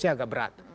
ini agak berat